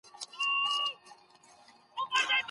بهرنی سیاست په نړیواله کچه د هیواد تصویر جوړوي.